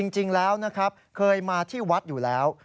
จริงแล้วนะครับเคยมาที่วัดอยู่แล้ว